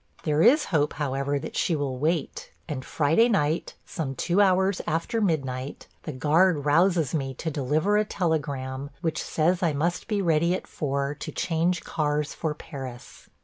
There is hope, however, that she will wait, and Friday night, some two hours after midnight, the guard rouses me to deliver a telegram which says I must be ready at four to change cars for Paris.